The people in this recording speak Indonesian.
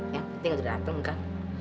yang penting udah antem kan